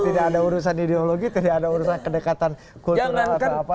tidak ada urusan ideologi tidak ada urusan kedekatan kultural atau apa